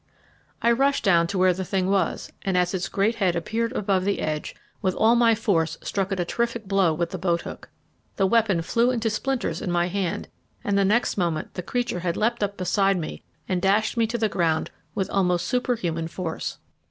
I rushed down to where the thing was, and as its great head appeared above the edge, with all my force struck it a terrific blow with the boat hook. The weapon flew into splinters in my hand, and the next moment the creature had leapt up beside me and dashed me to the ground with almost superhuman force.